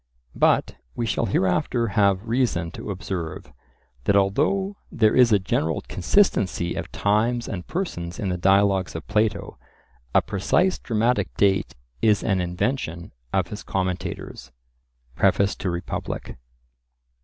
But we shall hereafter have reason to observe, that although there is a general consistency of times and persons in the Dialogues of Plato, a precise dramatic date is an invention of his commentators (Preface to Republic).